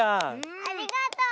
ありがとう。